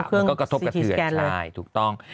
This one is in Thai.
มันก็กระทบกระเทือนใช่ถูกต้อง